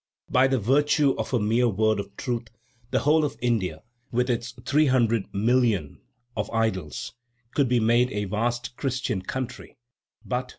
By the virtue of a mere word of truth, the whole of India, with its 300,000,000 of idols, could be made a vast Christian country; but